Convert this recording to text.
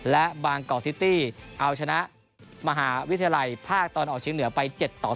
และบางเกาะซิตี้เอาชนะมหาวิทยาลัยภาคตอนออกชิงเหนือไป๗๒